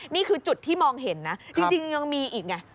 นี่คือจุดที่มองเห็นนะจริงยังมีอีกไง